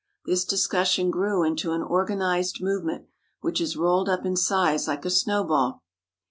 This discussion grew into an organized movement which has rolled up in size like a snowball.